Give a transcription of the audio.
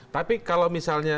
tapi kalau misalnya